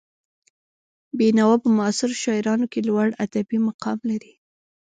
بېنوا په معاصرو شاعرانو کې لوړ ادبي مقام لري.